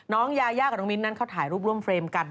ยายากับน้องมิ้นนั้นเขาถ่ายรูปร่วมเฟรมกัน